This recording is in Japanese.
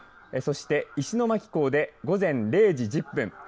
そして石巻港で午前０時１０分。